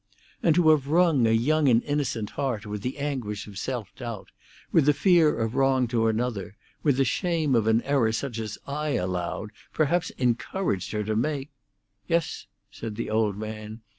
"And to have wrung a young and innocent heart with the anguish of self doubt, with the fear of wrong to another, with the shame of an error such as I allowed, perhaps encouraged her to make—" "Yes," said the old man.